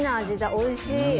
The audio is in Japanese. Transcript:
おいしい！